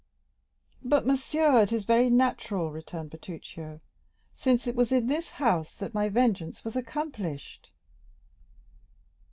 "But, monsieur, it is very natural," returned Bertuccio, "since it was in this house that my vengeance was accomplished."